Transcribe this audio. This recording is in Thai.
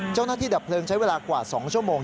เจ้าหน้าที่ดับเพลิงใช้เวลากว่า๒ชั่วโมง